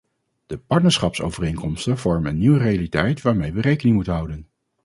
De partnerschapsovereenkomsten vormen een nieuwe realiteit waarmee we rekening moeten houden.